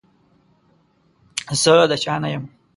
زه د چا نه يم.